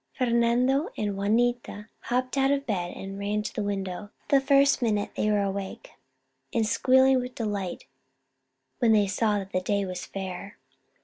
Fernando and Juanita hopped out of bed and ran to the window the first minute they were awake, and squealed with delight when they saw that the day was fair.